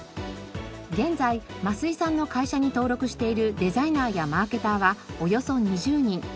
現在増井さんの会社に登録しているデザイナーやマーケターはおよそ２０人。